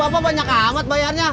bu untuk bapak banyak amat bayarnya